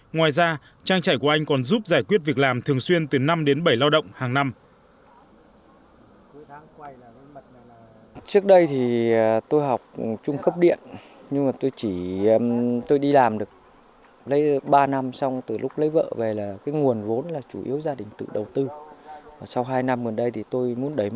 ngoài ra trang trại của anh còn giúp giải quyết việc làm thường xuyên từ năm đến bảy lao động hàng năm